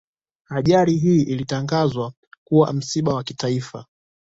Ajali hii ilitangazwa kuwa ni msiba wa kitaifa